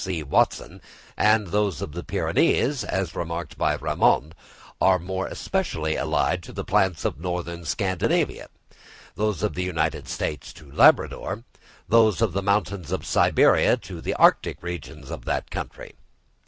C. Watson, and those of the Pyrenees, as remarked by Ramond, are more especially allied to the plants of northern Scandinavia; those of the United States to Labrador; those of the mountains of Siberia to the arctic regions of that country.